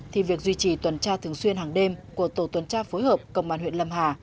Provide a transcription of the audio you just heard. thì việc duy trì tuần tra thường xuyên hàng đêm của tổ tuần tra phối hợp công an huyện lâm hà